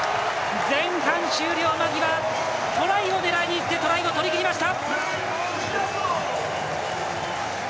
前半終了間際、狙いにいってトライを取りきりました！